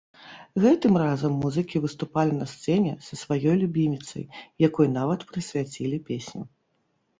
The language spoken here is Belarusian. Гэтым разам музыкі выступалі на сцэне са сваёй любіміцай, якой нават прысвяцілі песню.